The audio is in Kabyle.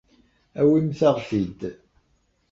Awimt-aɣ-t-id.